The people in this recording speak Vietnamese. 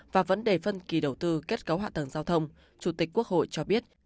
và vấn đề phân kỳ đầu tư kết cấu hạ tầng giao thông chủ tịch quốc hội cho biết